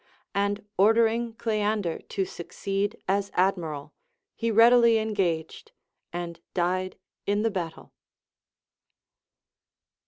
And ordering Oleander to succeed as admiral, he readily engaged, and died in the battle.